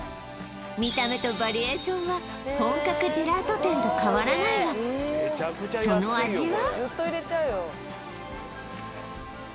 見た目とバリエーションは本格ジェラート店と変わらないがその味は？